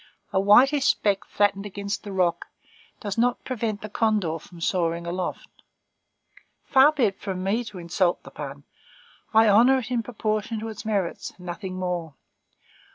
A whitish speck flattened against the rock does not prevent the condor from soaring aloft. Far be it from me to insult the pun! I honor it in proportion to its merits; nothing more.